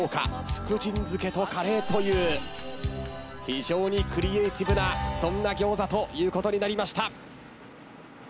福神漬けとカレーという非常にクリエーティブなそんな餃子になりました。